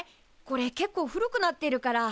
これけっこう古くなってるから。